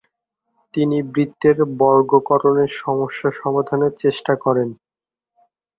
তিনি বৃত্তের বর্গকরণের সমস্যা সমাধানের চেষ্টা করেন।